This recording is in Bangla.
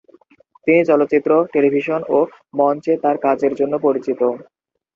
তিনি চলচ্চিত্র, টেলিভিশন ও মঞ্চে তার কাজের জন্য পরিচিত।